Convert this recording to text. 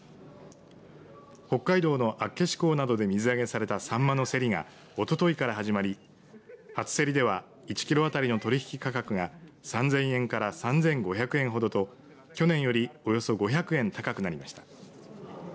北海道の厚岸港などで水揚げされたサンマの競りがおとといから始まり初競りでは１キロ当たりの取引価格が３０００円から３５００円ほどと去年よりおよそ５００円高くなりました。